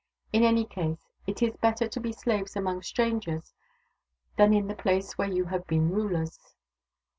In any case, it is better to be slaves among strangers than in the place where you have been rulers."